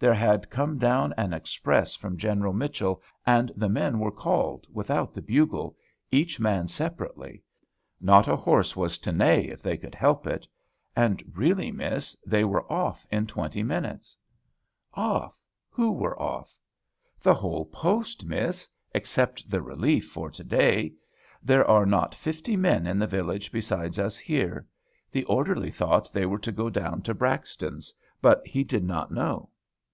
There had come down an express from General Mitchell, and the men were called without the bugle, each man separately; not a horse was to neigh, if they could help it. And really, Miss, they were off in twenty minutes." "Off, who are off?" "The whole post, Miss, except the relief for to day. There are not fifty men in the village besides us here. The orderly thought they were to go down to Braxton's; but he did not know."